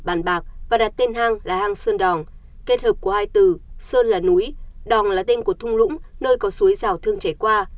bàn bạc và đặt tên hang là hang sơn đòn kết hợp của hai từ sơn là núi đòn là tên của thung lũng nơi có suối rào thương chảy qua